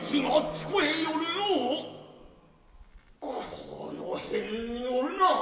この辺におるな。